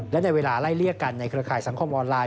และในเวลาไล่เลี่ยกันในเครือข่ายสังคมออนไลน